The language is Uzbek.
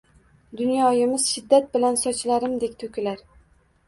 Dunyomiz shiddat bilan sochlarimdek to’kilar